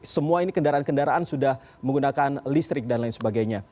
semua ini kendaraan kendaraan sudah menggunakan listrik dan lain sebagainya